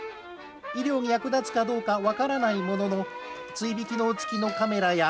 医療に役立つかどうか分からないものの、追尾機能付きのカメラや、